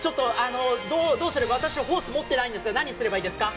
どうすれば、私、ホースを持っていないんですが何をすればいいですか？